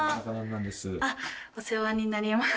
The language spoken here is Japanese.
お世話になります。